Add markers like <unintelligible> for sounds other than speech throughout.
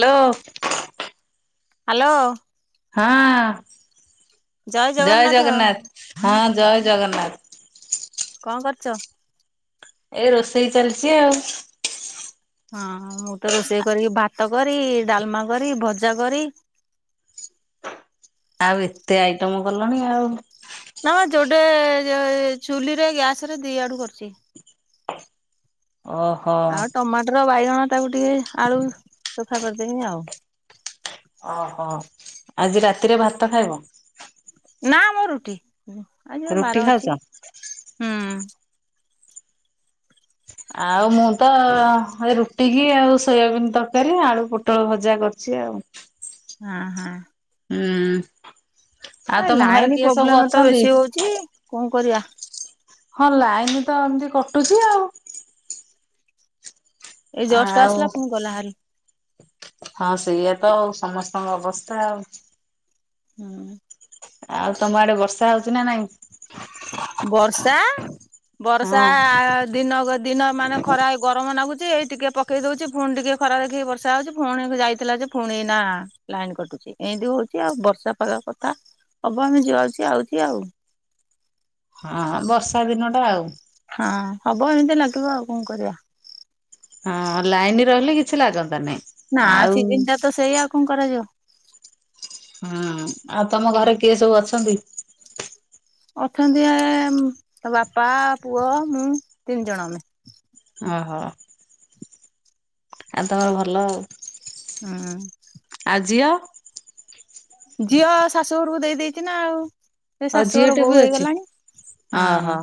Hello. Hello. ହଁ ଜୟ ଜଗନ୍ନାଥ ହଁ ଜୟ ଜଗନ୍ନାଥ। କଣ କରୁଚ? ଏଇ ରୋଷେଇ ଚାଲଚି ଆଉ। ହଁ ହଁ ମୁଁ ତ ରୋଷେଇ କରିକି ଭାତ କରି, ଏ ଡାଲମା କରି, ଭଜା କରି ଆଉ ଏତେ ଆଇଟମ କଲଣି ଆଉ। ନା ଯୋଡେ ଯେ ଏ ଚୁଲିରେ, ଗ୍ୟାସରେ ଦିଇ ଆଡୁ କରୁଚି। ଓହୋ। ଆଉ ଟମାଟର, ବାଇଗଣ ତାକୁ ଟିକେ ଆଳୁ ଚୋଖା କରିଦେମି ଆଉ। ଓହୋ ଆଜି ରାତିରେ ଭାତ ଖାଇବ? ନା ମୁଁ ରୁଟି ଆଜିପା ରୁଟି ବାର ଖାଉଛ ଅଛି ହୁଁ। ଆଉ ମୁଁ ତ ଏଇ ରୁଟି କି ଆଉ ସୋୟାବିିନ ତରକାରୀ, ଆଳୁ ପୋଟଳ ଭଜା କର ଚି ଆଉ। ହଁ ହଁ। ଉଁ। ଏ ଲାଇନ୍ ପ୍ରୋବ୍ଲେମେ ତ ବେଶୀ ହୋଉଚି କଣ କରିବା। ହଁ ଲାଇନି ତ ଏମତି କଟୁଚି ଆଉ। ଏଇ ଜଷ୍ଟ ଆଉ ଆସିଲା ପୁଣି ଗଲା ହାରି। ହଁ ସେଇଆ ତ ଆଉ ସମସ୍ତଙ୍କ ଅବସ୍ତା ଆଉ। ହୁଁଉଁ। ଆଉ ତମ ଆଡେ ବର୍ଷା ହୋଉଚି ନା ନାଇଁ? ବର୍ଷା ବର୍ଷା ହଁ ଆ ଦିନ କ ଦିନ ମାନେ ଖରା ଏ ଗରମ ନାଗୁଚି ଏଇ ଟିକେ ପକେଇ ଦୋଉଚି ଫୁଣି ଟିକିଏ ଖରା ଦେଖିକି ବର୍ଷା ଆଉଚି ଫୁଣି ଯାଇଥିଲା ଯେ ଫୁଣି ଏଇନା ଲାଇନ୍ କଟୁଚି ଏନ୍ତି ହୋଉଚି ଆଉ ବର୍ଷା ପାଗ କଥା ହବ ଏମି ଯାଉଚି ଆଉଚି ଆଉ। ହଁ ହଁ ବର୍ଷା ଦିନଟା ଆଉ। ହଁ ହବ ଏମତି ନାଗିବ ଆଉ କଣ କରିବା। ହଁ ଲାଇନରହିଲେ କି? କିଛି ଲାଗନ୍ତା ନାଇଁ। ନା ସିଜିନ ଟା ତ ସେଇଆ ଆଉ କଣ କରାଯିବ। ହୁଁ ଆଉ ତମ ଘରେ କିଏ ସବୁ ଅଛନ୍ତି? ଅଛନ୍ତି ବାପା ପୁଅ ମୁଁ ତିନି ଜଣ ଆମେ। ଓହୋ। ଆଉ ତମର ଭଲ ଆଉ। ହଁ। ଆଉ ଝିଅ? ଝିଅ ଶାଶୁଘରକୁ ଦେଇ ଦେଇଛି, ନା ଆଉ ସେ ଆଉ ଶାଶୁଘର ଝିଅଟେ ବୋଉ ବି ଅଛି। ହେଇଗଲାଣି ଓହୋ ହଁ।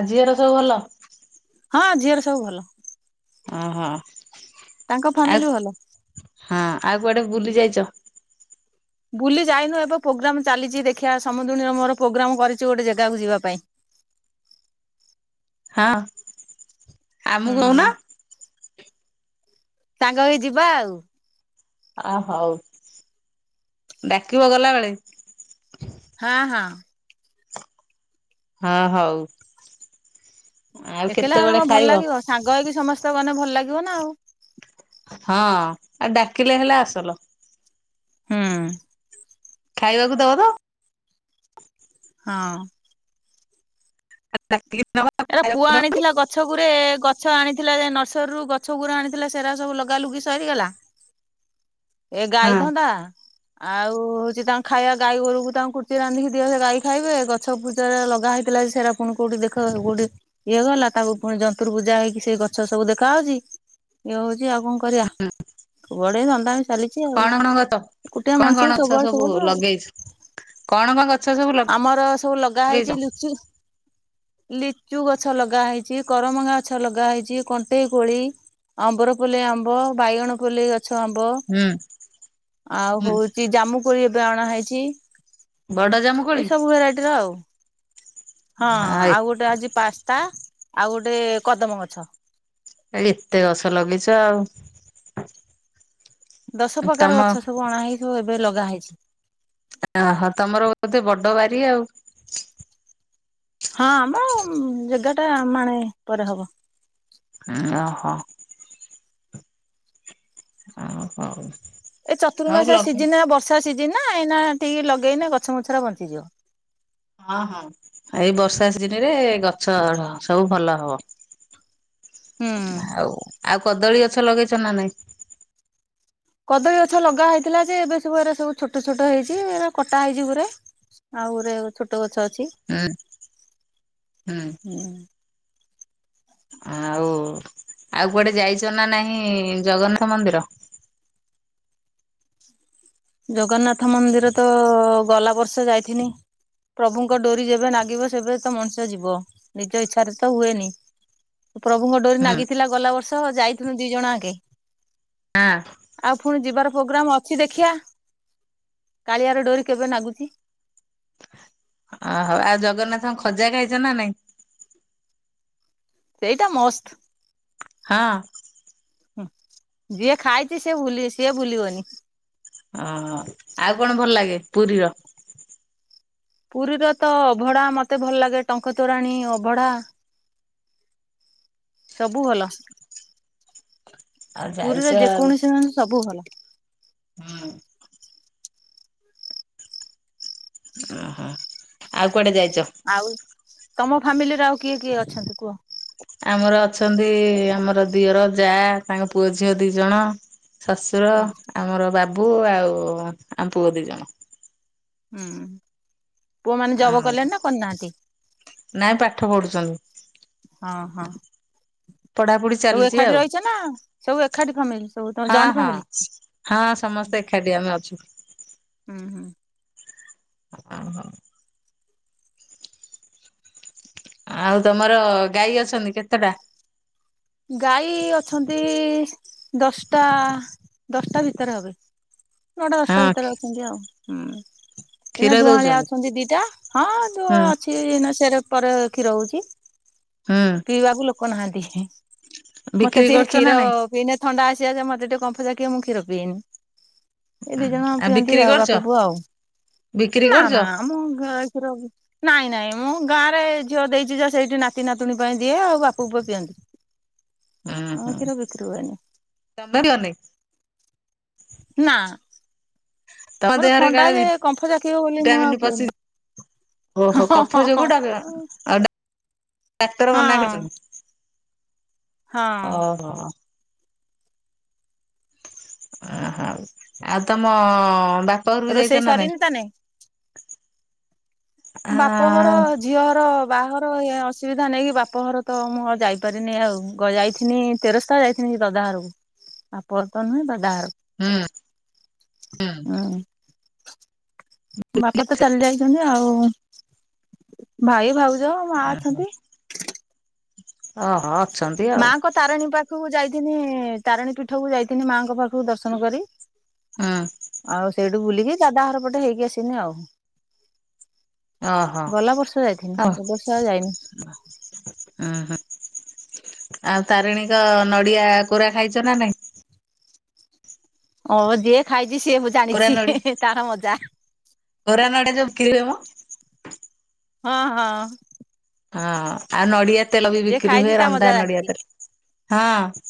ଆଉ ଝିଅର ସବୁ ଭଲ? ହଁ ଝିଅର ସବୁ ଭଲ। ଓ ହୋ। ତାଙ୍କ ଫ୍ୟାମିଲି ଭଲ। ହଁ ଆଉ କୁଆଡେ ବୁଲି ଯାଇଛ? ବୁଲି ଯାଇନୁ ଏବେ ପ୍ରୋଗ୍ରାମ ଚାଲିଛି ଦେଖିବା ସମୁଦୁଣୀର ମୋର ପ୍ରୋଗ୍ରାମ କରିଛୁ ଗୋଟେ ଜାଗାକୁ ଯିବା ପାଇଁ। ହଁ ଆମକୁ କହୁନ। ସାଙ୍ଗ ହେଇ ଯିବା ଆଉ। ଅ ହଉ ଡାକିବ ଗଲାବେେଳେ। ହଁ ହଁ। ହଁ ହଉ ଆଉ ଏକଲା ଗଲେ କଣ କେତେବେଳେ ଭଲ ଖାଇବ? ଲାଗିବ ସାଙ୍ଗ ହେଇକି ସମସ୍ତେ ଗଲେ ଭଲ ଲାଗିବ ନା ଆଉ। ହଁ ଆଉ ଡାକିଲେ ହେଲେ ଅସଲ। ହୁଁ। ଖାଇବାକୁ ଦବ ତ? ହଁ। <unintelligible> ଏରା ପୁଅ ଦବ ଆଣିଥିଲା ଗଛ ଗୁରେ ଗଛ ଆଣିଥିଲା ନର୍ସରୀରୁୁ ଗଛ ଗୁରା ଆଣିଥିଲା ସେରା ସବୁ ଲଗ ଲଗା ଲୁଗି ସରିଗଲା? ଏ ହଁ। ଗାଈ ଧନ୍ଦା। ଆଉ ହଉଛି ତାଙ୍କ ଖାଇବା ଗାଈ ଗୋରୁକୁ ତାଙ୍କୁ କୁର୍ଚୀ ରାନ୍ଧିକି ଦିଅ ଗାଈ ଖାଇବେ, ଗଛ ଫୂଜରେ ଲଗା ହେଇଥିଲା ସେରା ପୁଣି କୋଉଠି ଦେଖ କଉଠି ଇଏ ଗଲା ତାକୁ ପୁଣି ଜନ୍ତୁର ପୂଜା ହେଇକି ସେ ଗଛ ସବୁ ଦେଖାହଉଛି। ଇଏ ହଉଛି ଆଉ କଣ କରିବା କୁଆଡେ ଏ ଧନ୍ଦା। ଚାଲିଛି ଆଉ କଣ କଣ ଗଛ ଗୋଟିଆ କଣ କଣ ମଣିଷକୁ ଗଛ ସବୁଆଡେ ସବୁ ସବୁଆଡୁ ଆଉ। ଲଗେଇଛ କଣ କଣ ଗଛ ସବୁ ଆମର ସବୁ ଲଗା ଲଗେଇଛ? ହେଇଛି ଲୁଚୁ। ଲିଚୁ ଗଛ ଲଗା ହେଇଛି କରମଙ୍ଗା ଗଛ ଲଗା ହେଇଛି କଣ୍ଟେଇ କୋଳି। ଆମ୍ବର ପୋଲେଇ ଆମ୍ବ ବାଇଗଣ ପଲେଇ ଗଛ ଆମ୍ବ। ହୁଁ। ଆଉ ହୁଁ ହଉଛି ଜାମୁ କୋଳି ଏବେ ଅଣା ହେଇଛି। ବଡ ଜାମୁକୋଳି ଏଇସବୁ ଭେରାଇଟିର ଆଉ। ହଁ ଆ ଆଉ ଗୋଟେ ଆଜି ପାସ୍ତା ଆଉ ଗୋଟେ କଦମ୍ୱ ଗଛ। ଏ ଏତେ ଗଛ ଲଗେଇଛ ଆଉ। ଦଶ ପ୍ରକାର ତମ ଗଛ ସବୁ ଅଣା ହେଇ ସବୁ ଏବେ ଲଗା ହେଇଛି। ଓହୋ ତମର ବୋଧେ ବଡ ବାରି ଆଉ। ହଁ ଆମର ଜାଗା ଟା ମାଣେ ପରେ ହବ। ଓହୋ। ଆଉ ହଉ। ଏ ହଉ ଚତୁର୍ମାସିଆ ଲଗେ ସିଜିନ ଆ ବର୍ଷା ସିଜିନ ନା ଏଇନା ଟିକେ ଲଗେଇନେ ଗଛ ମୁଛରା ବଞ୍ଚିଯିବ। ହଁ ହଁ ଏଇ ବର୍ଷା ସିଜିନ ରେ ଗଛ ସବୁ ଭଲ ହବ। ହୁଁ। ଆଉ ଆଉ କଦଳୀ ଗଛ ଲଗେଇଛ ନା ନାଇଁ? କଦଳୀ ଗଛ ଲଗା ହେଇଥିଲା ଯେ ଏବେ ସବୁ ଏରା ସବୁ ଛୋଟ ଛୋଟ ହେଇଛିଏରା କଟା ହେଇଛି ଗୁରେ। ଆଉ ଗୋଟେ ଛୋଟ ଗଛ ଅଛି। ହୁଁ ହୁଁ ହୁଁ ଆଉ ଆଉ କୁଆଡେ ଯାଇଛ ନା ନାହିଁ ଜଗନ୍ନାଥ ମନ୍ଦିର। ଜଗନ୍ନାଥ ମନ୍ଦିର ତ ଗଲା ବର୍ଷ ଯାଇଥିନି। ପ୍ରଭୁଙ୍କ ଡୋରି ଯେବେ ନାଗିବ ସେବେ ତ ମଣିଷ ଯିବ ନିଜ ଇଚ୍ଛାରେ ତ ହୁଏନି। ପ୍ରଭୁଙ୍କ ଡୋରି ହୁଁ ନାଗିଥିଲା ଗଲା ବର୍ଷ ଯାଇଥିଲୁ ଦି ଜଣ ଆଙ୍କେ। ଆଁ ଆଉ ଫୁଣି ଯିବାର ପ୍ରୋଗ୍ରାମ୍ ଅଛି ଦେଖିଆ। କାଳିଆର ଡୋରି କେବେ ନାଗୁଛି। ଓହୋ ଆଉ ଜଗନ୍ନାଥଙ୍କ ଖଜା ଖାଇଛ ନା ନାଇଁ? ସେଇଟା ମସ୍ତ। ହଁ ହୁଁ ଯିଏ ଖାଇଛି ସେ ଭୁଲି ସିଏ ଭୁଲିବନି। ଓହୋ ଆଉ କଣ ଭଲ ଲାଗେ ପୁରୀର? ପୁରୀର ତ ଅଭଢା ମତେ ଭଲ ଲାଗେ ଟଙ୍କ ତୋରାଣି ଅଭଢା ସବୁ ଭଲ ଆଉ ଯାଇଛ ପୁରୀର ଆଉ। ଯେକୌଣସିଉଁ ସବୁ ଭଲ। ହୁଁ। ଓହୋ ଆଉ କୁଆଡେ ଯାଇଛ? ଆଉ ତମ ଫ୍ୟାମିଲିରେ ଆଉ କିଏ କିଏ ଅଛନ୍ତି କୁହ? ଆମର ଅଛନ୍ତି ଆମର ଦିଅର ଯା ତାଙ୍କ ପୁଅ ଝିଅ ଦି ଜଣ ଶଶୁର ହୁଁ ଆମର ବାବୁ ଆଉ ଆମ ପୁଅ ଦି ଜଣ। ହୁଁ ପୁଅ ମାନେ ଜବ ଆଉ କଲେଣି ନା କରିନାହାନ୍ତି? ନାଇଁ ପାଠ ପଢୁଛନ୍ତି। ହଁ ହଁ ପଢାପଢି ସବୁ ଚାଲିଛି ଏକାଠି ଆଉ ରହିଛ ନା ସବୁ ଏକାଠି ଫାମିଲି ସବୁ ତମେ ହଁ ଜଏଣ୍ଟ ହଁ। ଫ୍ୟାମିଲି? ହଁ ସମସ୍ତେ ଏକାଠି ଆମେ ଅଛୁ। ହୁଁ ହୁଁ। <unintelligible> ଆଉ ତମର ଗାଈ ଅଛନ୍ତି କେତେଟା? ଗାଈ ଅଛନ୍ତି ଦଶଟା ଦଶଟା ଭିତରେ ହେବେ। ନଅଟା ଦଶଟା ହଁ ଭିତରେ ଅଛନ୍ତି ଆଉ ହୁଁ। ଏଇନା କ୍ଷୀର ଦୁଆଁଳିଆ ଦଉଛନ୍ତି ଅଛନ୍ତି ଦିଟା ହଁ ହୁଁ ଦୁଆ ଅଛି କି ଏଇନା ସେରେ ପରେ କ୍ଷୀର ହଉଛି ହୁଁ। ପିଇବାକୁ ଲୋକ ନାହାଁନ୍ତି। ମତେ ବିକ୍ରି ଟିକେ କରୁଛ ନା କ୍ଷୀର ନାଇଁ? ପିଇନେ ଥଣ୍ଡା ଆସିବା ଯେ ମତେ ଟିକେ କମ୍ଫ ଯାକେ ମୁଁ କ୍ଷୀର ପିଏନି। ଏ ହୁଁ ଦିଇ ଜଣ ପିଅନ୍ତିି ବିକ୍ରି ଆଉ କରୁଛ ବାପ ପୁଅ ଆଉ ବିକ୍ରି ନା କରୁଛ ନା ଆମ କ୍ଷୀର ନାଇଁ ନାଇଁ ମୁଁ ଗାଁରେ ଝିଅ ଦେଇଛି ଯା ସେଇଠି ନାତି ନାତୁଣୀ ପାଇଁ ଦିଏ ଆଉ ବାପ ପୁଅ ପିଅନ୍ତି। ଆମ କ୍ଷୀର ହଁ ବିକ୍ରି ହୁଏନି। ହଁ <unintelligible> ନା। ତମ ମୋର ଦେହରେ ଥଣ୍ଡା କାଳେ ଯେ କମ୍ଫ ଜାକିବ ବୋଲି ମୁଁ ଆଉ ଭିଟାମିନ ପଶି ପିଏନି। ଓହୋ ହଁ ହଁ କଫ ହଁ ଯୋଗୁ ଡଗର ଆଉ ଡା ଡାକ୍ତର ହଁ ମନା କରିଚନ୍ତି। ହଁ ଓହୋ। ଓହୋ ଆଉ ତମ ବାପ ଘରକୁ ରୋଷେଇ ଯାଇଚ ନା ନାଇଁ? ସରିନି ତାନେ? ଆ ବାପ ଘର ଝିଅ ହର ବାହାଘର ଏ ଅସୁବିଧା ନେଇକି ବାପଘର ତ ମୁଁ ଆଉ ଯାଇପାରିନି ଆଉ ଯାଇଥିନି ତେରସ୍ତା ଯାଇ ଥିନି ଦଦା ଘରକୁ ବାପଘର ତ ନୁହେଁ ଦାଦାହରକୁ। ହୁଁ ହୁଁ। ହୁଁ ବାପା ତ ଚାଲି ଯାଇଚନ୍ତି ଆଉ। ଭାଇ ଭାଉଜ। ମା ଉହୁଁ ଅଛନ୍ତି। ଅଁହଁ। ମାଙ୍କ ତାରିଣୀ ପାଖକୁ ଯାଇଥିନି ତାରିଣୀ ପୀଠକୁ ଯାଇଥିନି ମାଙ୍କ ପାଖକୁ ଦର୍ଶନ କରି। ହୁଁ। ଆଉ ସେଇଠୁ ବୁଲିକି ଦାଦା ହର ପଟେ ହେଇକି ଆସିନି ଆଉ। ଓହୋ। ଗଲା ବର୍ଷ ଯାଇଥିନି ଏ ବର୍ଷ ଆଉ ଯାଇନି। ଉହୁଁ ଆଉ ତାରିଣୀଙ୍କ ନଡିଆ କୋରା ଖାଇଚ ନା ନାଇଁ? ଅ ଯିଏ ଖାଇଛି ସିଏ ବ କୋରା ଜାଣିଛି ନଡି ହିଁ ହିଁ ତାର ମଜା। କୋରା ନଡିଆ ଯୋଉ ବିକ୍ରି ହୁଏ ମ। ହଁ ହଁ। ହଁ। ଆଉ ନଡିଆ ତେଲ ବି ଯିଏ ବିକ୍ରି ଖାଇଛି ହୁଏ ତା ରନ୍ଧା ମଜା ନଡିଆ ଜାଣିଛି ତେଲ ହଁ।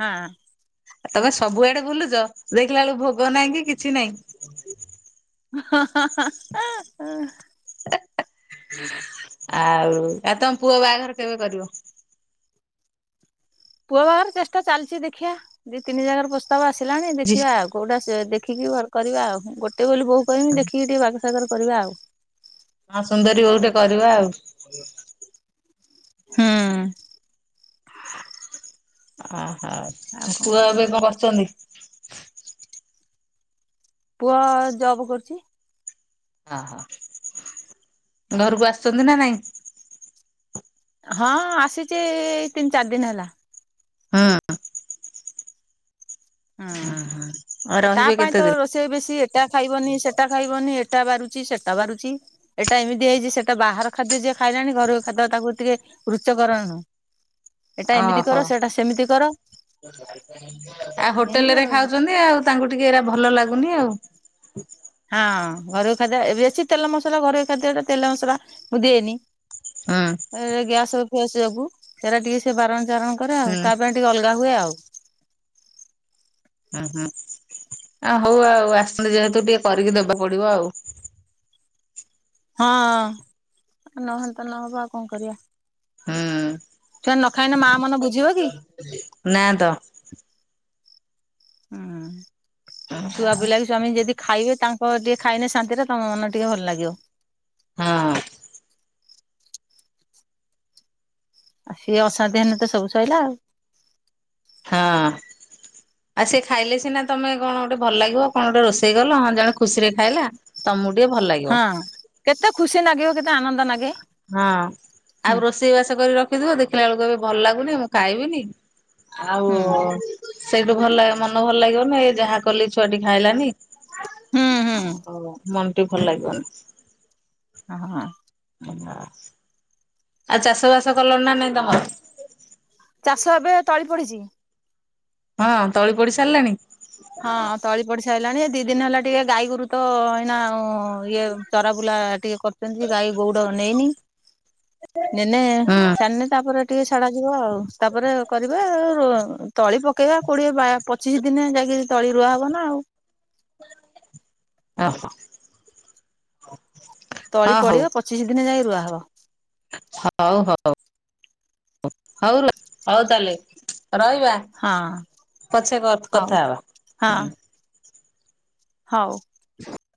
ହଁ। ତମେ ସବୁଆଡେ ବୁଲୁଚ ଦେଖିଲା ବେଳକୁ ଭୋଗ ନାହିଁ କି କିଛି ନାହିଁ। <inaudible> ହଁ ହଁ ହଁ। ଆଁ ଆଁ। ଆଉ ଆଉ ତମ ପୁଅ ବାହାଘର କେବେ କରିବ। ପୁଅ ବାହାଘର ଚେଷ୍ଟା ଚାଲିଛି ଦେଖିବା ଦି ତିନି ଜାଗାରୁ ପ୍ରସ୍ତାବ ଆସିଲାଣି ଜି ଦେଖିବା ଆଉ। କଉଟା ସେ ଦେଖିକି ଘର୍ କରିବା ଆଉ ଗୋଟେ ବୋଲି ବୋହୁ କରିମି ଦେଖିକି ଟିକେ ବାଗସାଗର କରିବା ଆଉ। ହଁ ସୁନ୍ଦରୀ ବୋହୁଟେ କରିବା ଆଉ। କରିବ <unintelligible> ହୁଁ। ଅ ଆଉ ହୋଉ କଣ ପୁଅ କରିବା ଏବେ କଣ କରୁଚନ୍ତି। ପୁଅ ଜବ କରୁଚି। ଓହୋ ଘରକୁ ଆସୁଚନ୍ତି ନା ନାଇଁ। ହଁ ଆସିଚି ତିନି ଚାରି ଦିନି ହେଲା। ହଁ। ଆଉ ହଁ ତା ରହିବେ ପାଇଁ କେତେ ତ ଦିନ? ରୋଷେଇ ବେଶୀ ଏଟା ଖାଇବନି ସେଟା ଖାଇ ବନି ଏଟା ବାରୁଚି ସେଟା ବାରୁଚି। ଏଇଟା ଏମିତି ହେଇଛି ସେଟା ବାହାର ଖାଦ୍ୟ ଯିଏ ଖାଇଲାଣି ଘରୋଇ ଖାଦ୍ୟ ତାକୁ ଟିକେ ରୁଚକର ନୁ। ଏଟା ଏମିତି କର ସେଟା ସେମିତି କର। ଆ ଏମିତି ହୋଟେଲରେ ଆଉ। ଖାଉଚନ୍ତି ଆଉ ତାଙ୍କୁ ଟିକେ ଏରା ଭଲ ଲାଗୁନି ଆଉ। ହଁ ଘରୋଇ ଖାଦ୍ୟ ବେଶୀ ତେଲ ମସଲା ଘରୋଇ ଖାଦ୍ୟରେ ତେଲ ମସଲା ମୁଁ ଦିଏନି। ହଁ। ଏ ଗ୍ୟାସ୍ ଫ୳୲ସ ଯୋଗୁ ସେଇରା ଟିକେ ସେ ବାରଣ ଚାରଣ କରେ ଆଉ ହୁଁ ତା ପାଇଁ ଟିକେ ଅଲଗା ହୁଏ ଆଉ। ହୁଁ ହୁଁ ଆ ହଉ ଆଉ ଆସିଚନ୍ତି ଯେହେତୁ ଟିକେ କରିକି ଦେବାକୁ ପଡିବ ଆଉ। ହଁ ନହନ୍ତା ନହବ ଆଉ କଣ କରିବା। ହୁଁ। ନ ଖାଇନେ ମା ମନ ବୁ ନା ତ। ହୁଁ ଛୁଆ ପିଲା ବି ଛୁଆମାନେ ଯଦି ଖାଇବେ ତାଙ୍କ ଟିକେ ଖାଇନେ ଶାନ୍ତିରେ ତମ ମନ ଟିକେ ଭଲ ଲାଗିବ। ହଁ। ଆଉ ସିଏ ଅଶାନ୍ତି ହେନେ ତ ସବୁ ସଇଲା ଆଉ। ହଁ। ଆଉ ସେ ଖାଇଲେ ସିନା ତମେ କଣ ଗୋଟେ ଭଲ ଲାଗିବ କଣ ଗୋଟେ ରୋଷେଇ କଲ ହଁ ଜଣେ ଖୁସିରେ ଖାଇଲା। ତମକୁ ଟିକେ ଭଲ ଲାଗିବ। ହଁ। କେତେ ଖୁସି ନାଗିବ କେତେ ଆନନ୍ଦ ନାଗ୍ ହଁ ଆଉ ରୋଷେଇ ବାସ କରି ର ଖିଥିବ ଦେଖିଲା ବେଳକୁ କଇବେ ଭଲ ଲାଗୁନି ମୁଁ ଖାଇବିନି। ଆଉ ହୁଁ ସେଇଠୁ ଭଲା ମନ ଭଲ ଲାଗିବନି ଯାହା କଲି ଛୁଆଟି ଖାଇଲାନି। ହୁଁ ହୁଁ ଓ ମନ ଟି ଭଲ ଲାଗିବନି। ହଁ। ଆଉ ଚାଷ ବାସ କଲଣି ନା ନାଇଁ ତମର? ଚାଷ ଏବେ ତଳି ପଡିଚି। ହଁ ତଳି ପଡି ସାରିଲାଣି? ହଁ ତଳି ପଡିସାଇଲାଣି ଦି ଦିନ ହେଲା ଟିକେ ଗାଈଗୋରୁ ତ ଏଇନା ଆଉ ଇଏ ଚରା ବୁଲା ଟିକେ କରିଚନ୍ତି ଗାଈ ଗଉଡ ନେଇନି ନେଇନି ନେନେ ହୁଁ ଛାନେ ତାପରେ ଟିକେ ଛାଡ଼ାଯିବ ଆଉ ତାପରେ କରିବେ ଆ ରୋ ତଳି ପକେଇବା କୋଡ଼ିଏ ବା ପଚିଶ ଦିନେ ଯାଇକି ତଳି ରୁଆ ହବ ନା ଆଉ। ଅ ହ। ତଳି ପଡ଼ିବ ପଚିଶି ଦିନେ ଯାଇ ରୁଆହବ। ହଉ ହଉ ହଉ ର ହଉ ତାହେଲେ ରହିବା ହଁ ପଛେ କ ହଉ କଥା ହବା ହଁ ହୁଁ। ହଉ। <inaudible>